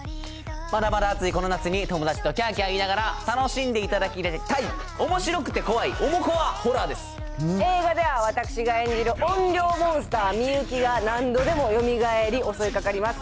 まだまだ暑いこの夏に、友達ときゃーきゃー言いながら、楽しんでいただきたい、おもしろくて怖い、映画では私が演じる怨霊モンスター、美雪が何度でもよみがえり、襲いかかります。